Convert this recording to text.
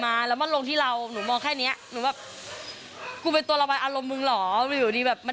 าทีเขาจะแค่ขอหรือว่า